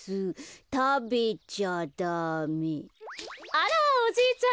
あらおじいちゃん。